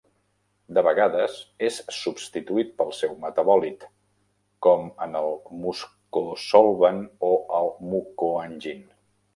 De vegades és substituït pel seu metabòlit, com en el Mucosolvan o el Mucoangin.